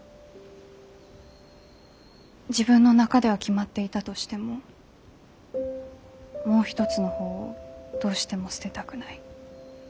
自分の中では決まっていたとしてももう一つの方をどうしても捨てたくない。